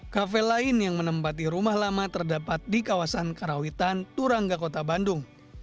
kafe lain yang menempati rumah lama terdapat di kawasan karawitan turangga kota bandung